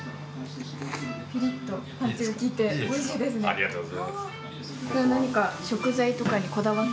ありがとうございます。